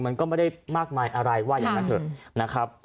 มันก็ไม่ได้มากมายอะไรว่าอย่างนั้นเถอะนะครับ